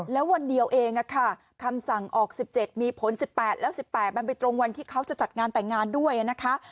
แล้ววันเดียวเองคำสั่งออก๑๗มีผล๑๘แล้ว๑๘มันไปตรงวันที่เขาจะจัดงานแต่งงานด้วยนะคะ